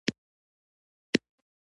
خو خبر نه شو چې څه پرېکړه یې وکړه.